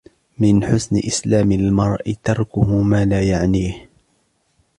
مِنْ حُسْنِ إسْلَامِ الْمَرْءِ تَرْكُهُ مَا لَا يَعْنِيهِ